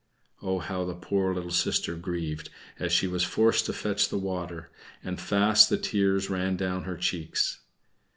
Oh, how the poor little sister grieved, as she was forced to fetch the water, and fast the tears ran down her cheeks!